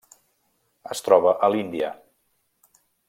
Es troba a l'Índia: